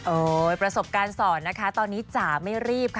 ประสบการณ์สอนนะคะตอนนี้จ๋าไม่รีบค่ะ